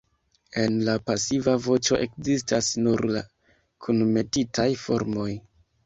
En la pasiva voĉo ekzistas nur la kunmetitaj formoj.